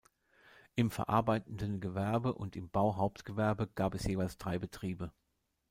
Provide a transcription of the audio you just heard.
Im verarbeitenden Gewerbe und im Bauhauptgewerbe gab es jeweils drei Betriebe.